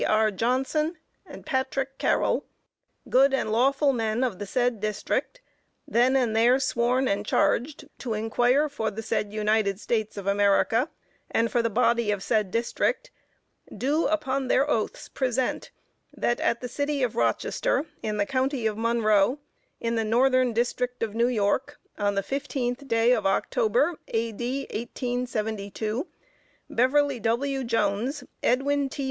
R. Johnson, Patrick Carroll, good and lawful men of the said District, then and there sworn and charged to inquire for the said United States of America, and for the body of said District, do, upon their oaths, present, that at the City of Rochester, in the County of Monroe, in the Northern District of New York, on the 15th day of October, A.D. 1872, Beverly W. Jones, Edwin T.